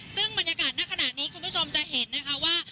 ซึ่งบรรยากาศณขณะนี้คุณผู้ชมจะเห็นนะคะว่า